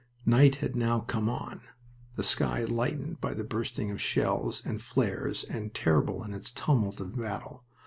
Night had now come on, the sky lightened by the bursting of shells and flares, and terrible in its tumult of battle.